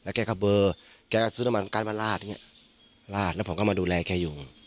แล้วก็เบอแกซื้อน้ำมันการมันลาดเนี้ยลาดแล้วผมก็มาดูแลแกอยู่